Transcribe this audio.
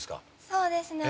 そうですね